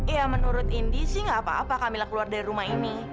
iya menurut indi sih nggak apa apa kamila keluar dari rumah ini